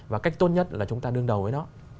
và cách tốt nhất là chúng ta đương đầu với nó